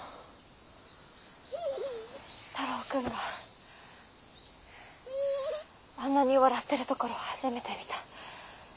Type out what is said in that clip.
太郎君があんなに笑ってるところ初めて見た。